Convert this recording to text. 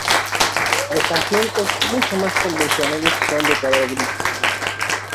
Los asientos, mucho más convencionales, son de color gris.